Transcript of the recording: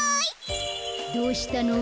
どうしたの？